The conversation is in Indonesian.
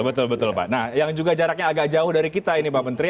betul betul pak nah yang juga jaraknya agak jauh dari kita ini pak menteri